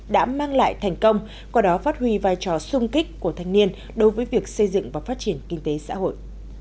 đã mang lại thành công qua đó phát huy vai trò sung kích của thanh niên đối với việc xây dựng và phát triển kinh tế xã hội